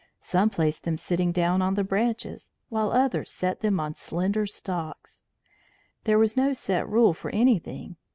Some placed them sitting down on the branches, while others set them on slender stalks. There was no set rule for anything.